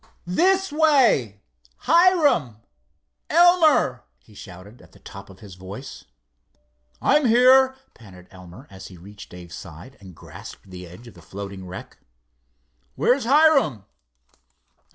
"This way—Hiram! Elmer!" he shouted at the top of his voice. "I'm here," panted Elmer, as he reached Dave's side and grasped the edge of the floating wreck. "Where's Hiram?"